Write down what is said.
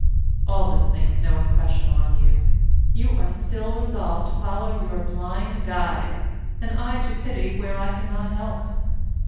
All this makes no impression on you; you are still resolved to follow your blind guide, and I to pity where I cannot help.